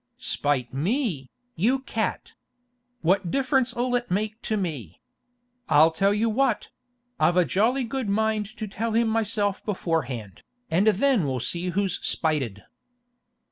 'Spite me, you cat! What difference 'll it make to me? I'll tell you what: I've a jolly good mind to tell him myself beforehand, and then we'll see who's spited.